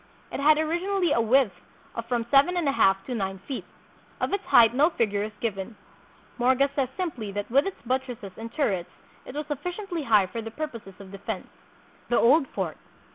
It had originally a width of from seven and a half to nine feet. Of its height no figure is given. Morga says simply that with its buttresses and turrets it was sufficiently high for the purposes of de fense. The Old Fort.